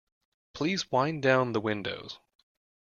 Please wind down the windows.